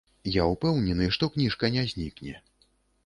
Я ўпэўнены, што кніжка не знікне.